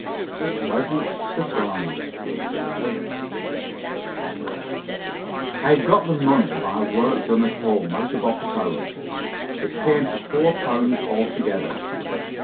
THE PLEASANT SURPRISE I had got the money by work done at home, out of office hours. It came to four pounds altogether.